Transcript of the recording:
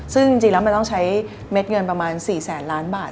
ซึ่งจริงแล้วมันต้องใช้เม็ดเงินประมาณ๔แสนล้านบาท